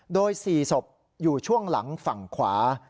โดย๔ศพอยู่ช่วงหลังฝั่งขวา